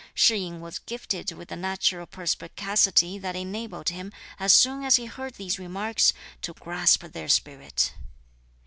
Shih yin was gifted with a natural perspicacity that enabled him, as soon as he heard these remarks, to grasp their spirit.